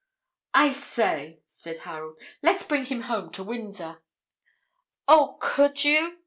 "I say," said Harold, "let's bring him home to Windsor!" "Oh, could you?"